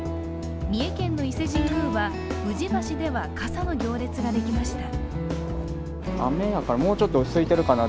三重県の伊勢神宮は、宇治橋では傘の行列ができました。